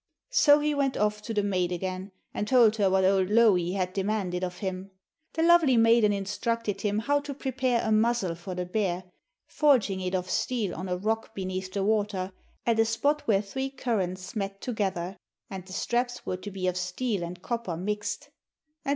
So he went off to the maid again, and told her what old Louhi had demanded of him. The lovely maiden instructed him how to prepare a muzzle for the bear, forging it of steel on a rock beneath the water, at a spot where three currents met together, and the straps were to be of steel and copper mixed.